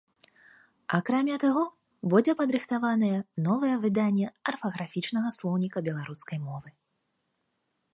Акрамя таго, будзе падрыхтаванае новае выданне арфаграфічнага слоўніка беларускай мовы.